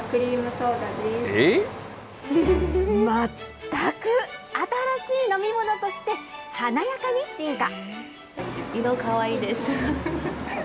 全く新しい飲み物として、華やかに進化。